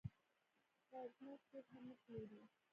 غیرتمند څوک هم نه پلوري